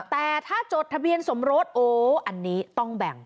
แต่ถ้าจดทะเบียนสมรสโอ้อันนี้ต้องแบ่ง